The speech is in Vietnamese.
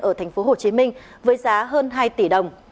ở thành phố hồ chí minh với giá hơn hai tỷ đồng